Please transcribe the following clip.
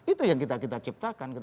itu yang kita ciptakan